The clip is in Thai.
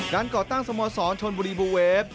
ก่อตั้งสโมสรชนบุรีบูเวฟ